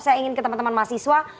saya ingin ke teman teman mahasiswa